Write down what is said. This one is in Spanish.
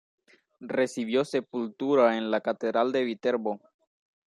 Recibió sepultura en la catedral de Viterbo.